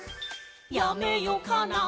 「やめよかな」